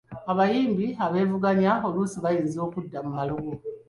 Abayimbi abeevuganya oluusi bayinza okudda mu malogo.